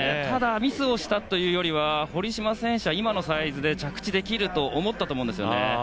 ただ、ミスをしたというよりは堀島選手は今のサイズで着地できると思ったと思うんです。